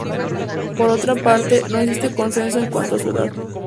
Por otra parte, no existe consenso en cuanto a su edad.